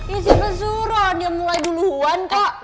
isi pesuran ya mulai duluan kok